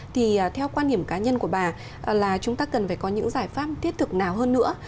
thì theo quan điểm cá nhân của bà là chúng ta cần phải có những giải pháp thiết thực nào hơn nữa